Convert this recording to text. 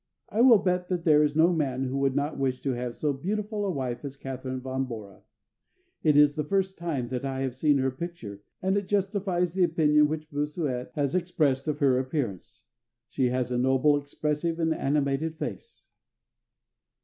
I will bet that there is no man who would not wish to have so beautiful a wife as Catharine von Bora. It is the first time that I have seen her picture, and it justifies the opinion which Bossuet has expressed of her appearance. She has a noble, expressive, and animated face."